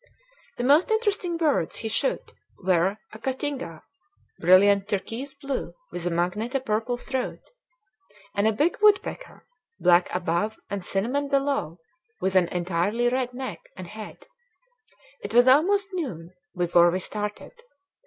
The most interesting birds he shot were a cotinga, brilliant turquoise blue with a magenta purple throat, and a big woodpecker, black above and cinnamon below with an entirely red head and neck. It was almost noon before we started.